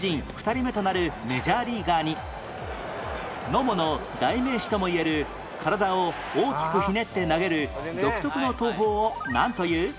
野茂の代名詞ともいえる体を大きくひねって投げる独特の投法をなんという？